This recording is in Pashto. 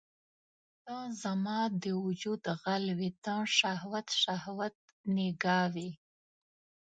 ته زما د وجود غل وې ته شهوت، شهوت نګاه وي